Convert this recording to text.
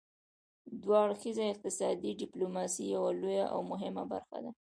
دوه اړخیزه اقتصادي ډیپلوماسي یوه لویه او مهمه برخه ده